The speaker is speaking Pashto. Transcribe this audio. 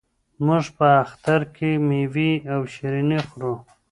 موږ په اختر کې مېوې او شیریني خورو.